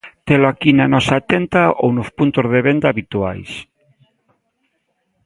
Telo aquí na nosa tenda ou nos puntos de venda habituais.